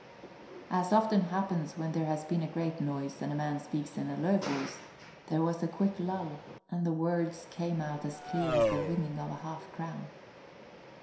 As often happens when there has been a great noise and a man speaks in a low voice, there was a quick lull and the words came out as clear as the ringing of a half crown.